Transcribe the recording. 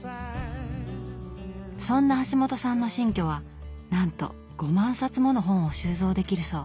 そんな橋本さんの新居はなんと５万冊もの本を収蔵できるそう。